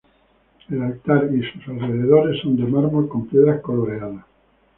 El altar y sus alrededores son de mármol con piedras coloreadas.